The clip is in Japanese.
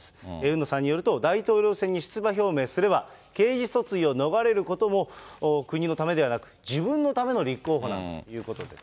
海野さんによると、大統領選に出馬表明すれば、刑事訴追を逃れることも国のためではなく、自分のための立候補なんだということですね。